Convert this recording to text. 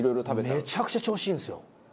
めちゃくちゃ調子いいんですよ。